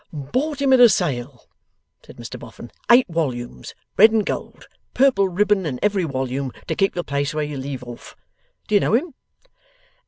'Bought him at a sale,' said Mr Boffin. 'Eight wollumes. Red and gold. Purple ribbon in every wollume, to keep the place where you leave off. Do you know him?